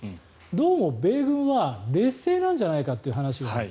どうも米軍は劣勢なんじゃないかという話が。